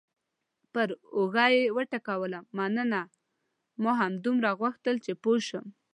پر اوږه یې وټکولم: مننه، ما همدومره غوښتل چې پوه شم.